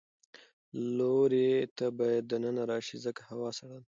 لورې ته باید د ننه راشې ځکه هوا سړه ده.